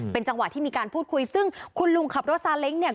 เป็นจังหวะที่มีการพูดคุยซึ่งคุณลุงขับรถซาเล้งเนี่ย